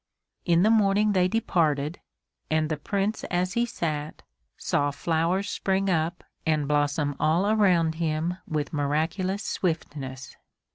In the morning they departed, and the Prince as he sat, saw flowers spring up and blossom all around him with miraculous swiftness.